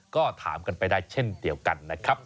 ก็ถามกันไปได้เช่นเดียวกันนะครับ